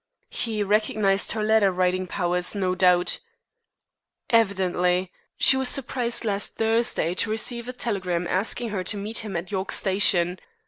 "He recognized her letter writing powers, no doubt." "Evidently. She was surprised last Thursday week to receive a telegram asking her to meet him at York Station.